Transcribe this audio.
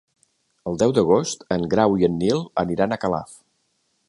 El deu d'agost en Grau i en Nil aniran a Calaf.